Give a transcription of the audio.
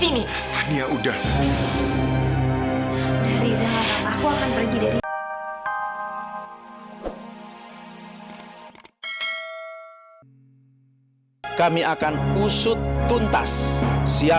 makasih udah bantuin aida